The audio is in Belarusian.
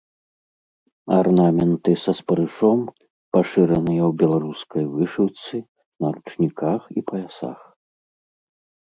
Арнаменты са спарышом пашыраныя ў беларускай вышыўцы, на ручніках і паясах.